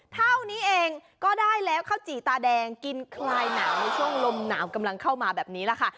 เท่านี้เองก็ได้แล้วข้าวจี่ตาแดงกินคลายหนาวในช่วงลมหนาวกำลังเข้ามาแบบนี้แหละค่ะ